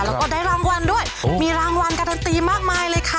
แล้วก็ได้รางวัลด้วยมีรางวัลการันตีมากมายเลยค่ะ